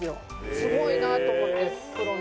すごいなと思ってプロの。